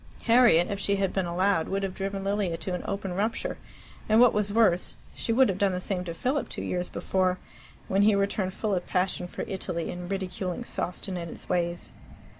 Harriet, if she had been allowed, would have driven Lilia to an open rupture, and, what was worse, she would have done the same to Philip two years before, when he returned full of passion for Italy, and ridiculing Sawston and its ways.